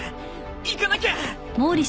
行かなきゃ！